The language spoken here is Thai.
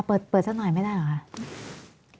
เปิดสักหน่อยไม่ได้เหรอคะ